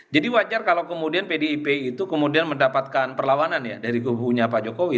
jadi wajar kalau kemudian pdip itu kemudian mendapatkan perlawanan ya dari hubungannya pak jokowi